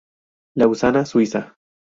Lausana, Suiza.